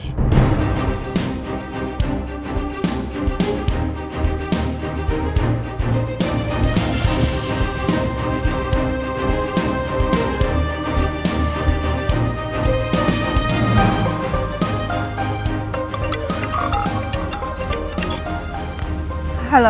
nih inget ya